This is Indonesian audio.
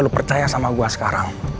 lu percaya sama gue sekarang